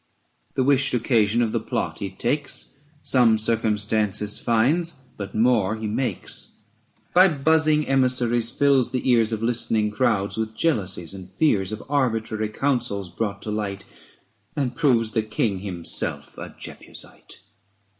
The wished occasion of the Plot he takes ; Some circumstances finds, but more he makes; By buzzing emissaries fills the ears aio Of listening crowds with jealousies and fears Of arbitrary counsels brought to light, And proves the King himself a Jebusite.